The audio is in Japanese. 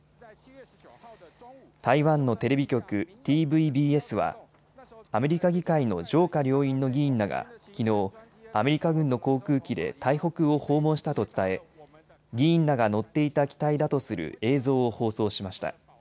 台湾のテレビ局、ＴＶＢＳはアメリカ議会の上下両院の議員らがきのう、アメリカ軍の航空機で台北を訪問したと伝え議員らが乗っていた機体だとする映像を放送しました。